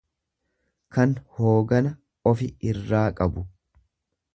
kan hoogana ofi irraa qabu.